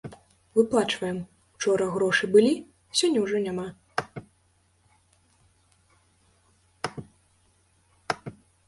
Выплачваем, учора грошы былі, сёння ўжо няма.